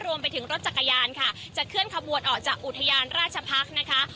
รถจักรยานค่ะจะเคลื่อนขบวนออกจากอุทยานราชพักษ์นะคะ